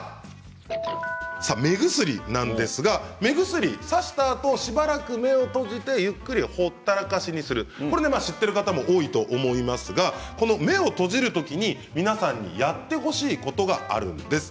目薬なんですが目薬をさしたあとしばらく目を閉じてゆっくりほったらかしにする知っている方も多いと思いますが目を閉じるときに、皆さんにやってほしいことがあるんです。